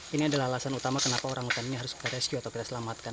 ini adalah alasan utama kenapa orangutannya harus kita rescue atau kita selamatkan